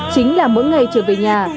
chính là mỗi ngày trở về nhà